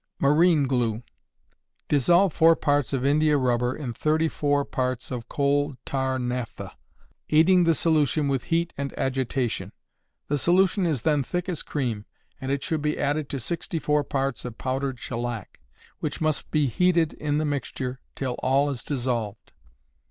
Marine Glue. Dissolve four parts of India rubber in thirty four parts of coal tar naptha, aiding the solution with heat and agitation. The solution is then thick as cream, and it should be added to sixty four parts of powdered shellac, which must be heated in the mixture till all is dissolved.